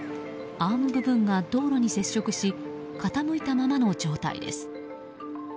アーム部分が道路に接触し傾いたままの状態です。